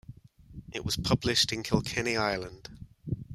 It was published in Kilkenny, Ireland.